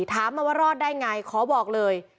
ถามมาว่ารอดได้ไงขอบอกเลย